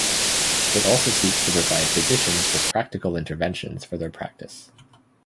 It also seeks to provide physicians with practical interventions for their practice.